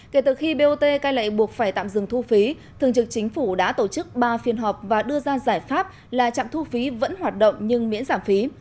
kể từ khi bot cai lệ buộc phải tạm dừng thu phí thường trực chính phủ đã tổ chức ba phiên họp và đưa ra giải pháp là trạm thu phí vẫn hoạt động nhưng miễn giảm phí